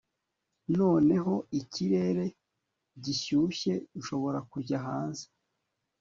noneho ikirere gishyushye, nshobora kujya hanze